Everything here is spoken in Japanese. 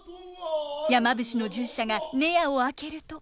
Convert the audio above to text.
山伏の従者が寝屋を開けると。